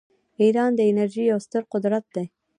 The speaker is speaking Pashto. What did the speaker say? ایران د انرژۍ یو ستر قدرت دی.